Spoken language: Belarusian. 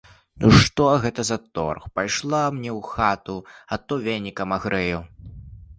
Ну, што гэта за торг, пайшла мне ў хату, а то венікам агрэю.